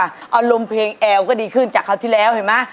อารมณ์เพลงแอลก็ดีขึ้นจากคราวที่แล้วเห็นไหม